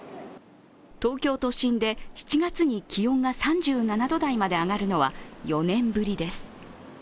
東京都心で７月に気温が３７度台まで上がるのは４年ぶりです。